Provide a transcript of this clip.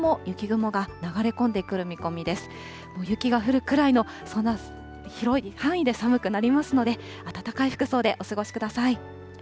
雪が降るくらいの、そんな広い範囲で寒くなりますので、暖かい服装でお過ごしください。